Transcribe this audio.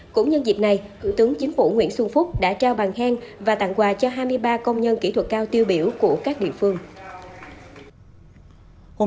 cũng nhân dịp này thủ tướng chính phủ nguyễn xuân phúc đã trao bàn khen và tặng quà cho hai mươi ba công nhân kỹ thuật cao tiêu biểu của các địa phương